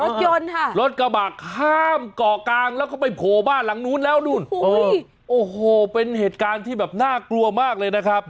รถยนต์ค่ะรถกระบะข้ามเกาะกลางแล้วก็ไปโผล่บ้านหลังนู้นแล้วนู่นโอ้โหเป็นเหตุการณ์ที่แบบน่ากลัวมากเลยนะครับ